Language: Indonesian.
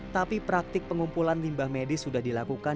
tapi praktik pengumpulan limbah medis sudah dilakukan